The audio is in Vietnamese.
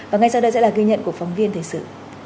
và ngay sau đây sẽ là ghi nhận của phóng viên thời sự